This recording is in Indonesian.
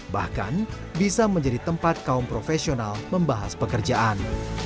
bahkan bisa menjadi tempat kaum profesional membahas pekerjaan